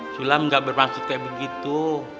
sulam gak bermaksud kayak begitu